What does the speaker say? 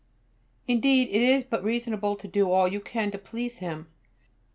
Indeed it is but reasonable to do all you can to please him.